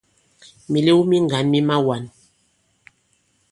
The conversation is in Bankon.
Mìlew mi ŋgǎn mi mawān.